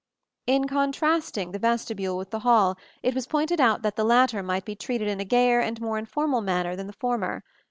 In contrasting the vestibule with the hall, it was pointed out that the latter might be treated in a gayer and more informal manner than the former.